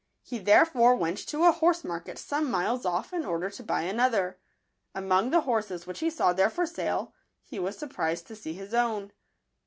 He there fore went to a liorse market some miles off, in order to buy another. Among the horses which he saw there for sale, he was surprised to see his own.